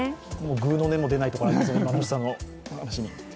ぐうの音も出ないところもあります、今の星さんの話に。